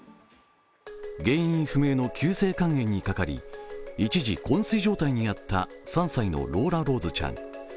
原因不明の急性肝炎にかかり一時、こん睡状態にあった３歳のローラローズちゃん。